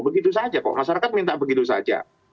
begitu saja kok masyarakat minta begitu saja